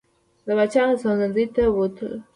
د پاچا هستوګنځي ته بوتلو.